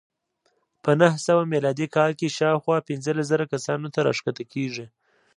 په نهه سوه میلادي کال کې شاوخوا پنځلس زره کسانو ته راښکته کېږي.